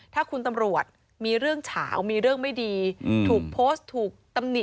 ถ้าคุณตำรวจมีเรื่องเฉามีเรื่องไม่ดีถูกโพสต์ถูกตำหนิ